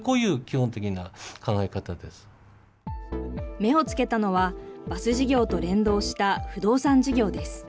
目を付けたのは、バス事業と連動した不動産事業です。